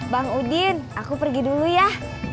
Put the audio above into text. bang udin aku pergi dulu ya